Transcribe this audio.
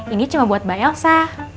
ini cuma buat mbak elsa